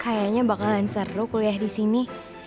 kayaknya bakalan seru kuliah disini